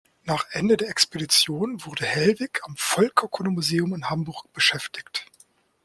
Nach Ende der Expedition wurde Hellwig am Völkerkundemuseum in Hamburg beschäftigt.